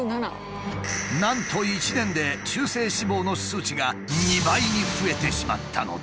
なんと１年で中性脂肪の数値が２倍に増えてしまったのだ。